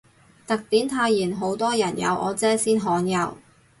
特典泰妍好多人有，我姐先罕有